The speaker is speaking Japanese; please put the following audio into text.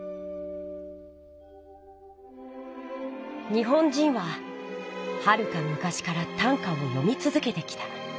日本人ははるかむかしから短歌をよみつづけてきた。